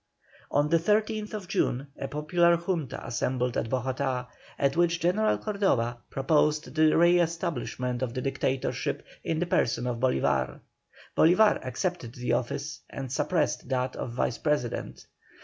On the 13th June a popular Junta assembled at Bogotá, at which General Cordoba proposed the re establishment of the Dictatorship in the person of Bolívar. Bolívar accepted the office, and suppressed that of Vice President.